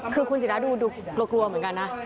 คือคุณศิราดูกลัวเหมือนกันนะ